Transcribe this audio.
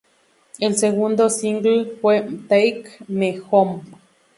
El segundo single fue "Take Me Home".